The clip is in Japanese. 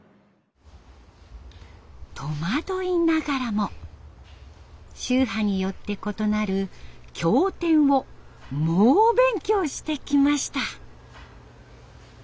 戸惑いながらも宗派によって異なる経典を猛勉強してきました。